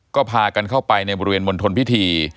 ก็พากันเข้าไปในบริเวณมณฑลพิธี